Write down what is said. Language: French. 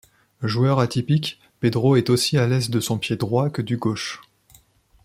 Joueur atypique, Pedro est aussi à l'aise de son pied droit que du gauche.